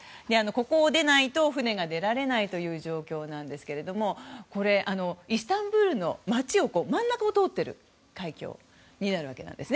ここを出ないと船が出られない状況ですがイスタンブールの街を真ん中を通っている海峡になるわけです。